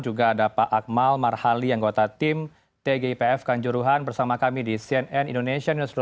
juga ada pak akmal marhali yang kota tim tgipf kan juruhan bersama kami di cnn indonesia news